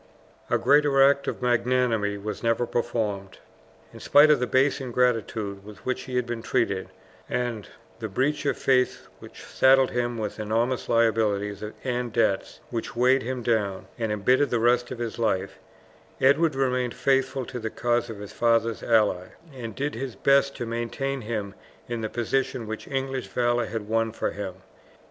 A greater act of magnanimity was never performed. In spite of the base ingratitude with which he had been treated, and the breach of faith which saddled him with enormous liabilities and debts, which weighed him down and embittered the rest of his life, Edward remained faithful to the cause of his father's ally, and did his best to maintain him in the position which English valour had won for him.